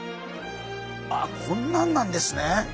ああこんなんなんですね。